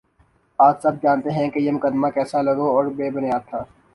آج سب جانتے ہیں کہ یہ مقدمہ کیسا لغو اور بے بنیادتھا